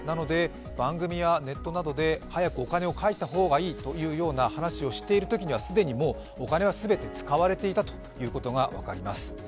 番組やネットなどで早くお金を返した方がいいという話をしているときには既にもうお金は全て使われていたということが分かります。